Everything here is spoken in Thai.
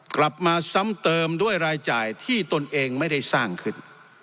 กลับมาซ้ำเติมด้วยรายจ่ายที่ตนเองไม่ได้สร้างขึ้น